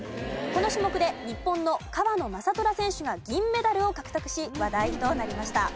この種目で日本の川野将虎選手が銀メダルを獲得し話題となりました。